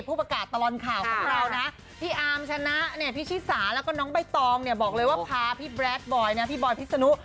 ผู้ประกาศตลอดข่าวของเรานะพี่อาร์มชนะเนี่ยพี่ชิสาแล้วก็น้องใบตองเนี่ยบอกเลยว่าพาพี่แรคบอยนะพี่บอยพิษนุ